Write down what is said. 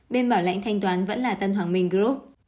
bên bảo lãnh thanh toán vẫn là tân hoàng minh group